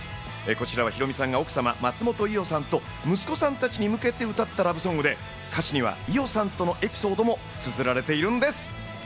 こちらはヒロミさんが奥様・松本伊代さんと息子さんたちに向けて歌ったラブソングで、歌詞には伊代さんとのエピソードもつづられているんです。